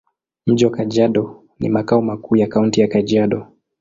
Mji wa Kajiado ni makao makuu ya Kaunti ya Kajiado.